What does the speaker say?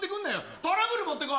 トラブル持ってこい。